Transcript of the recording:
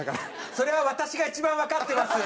それは私が一番わかってます。